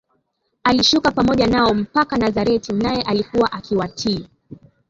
Alishuka pamoja nao mpaka Nazareti naye alikuwa akiwatii